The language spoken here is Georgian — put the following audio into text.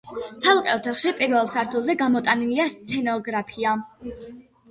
ცალკე ოთახში, პირველ სართულზე, გამოტანილია სცენოგრაფია.